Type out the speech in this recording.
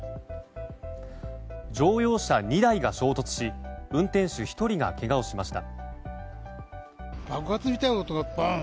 乗用車２台が衝突し運転手１人がけがをしました。